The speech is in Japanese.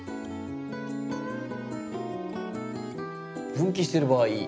分岐してる場合。